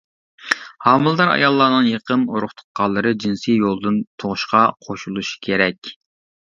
ھامىلىدار ئاياللارنىڭ يېقىن ئۇرۇق-تۇغقانلىرى جىنسىي يولدىن تۇغۇشقا قوشۇلۇشى كېرەك.